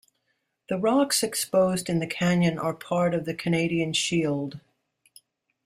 The rocks exposed in the Canyon are part of the Canadian Shield.